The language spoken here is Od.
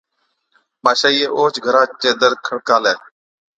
ماشائِيئَي اوهچ گھرا چَي دَر کڙڪالَي